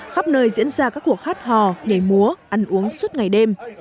khắp nơi diễn ra các cuộc hát hò nhảy múa ăn uống suốt ngày đêm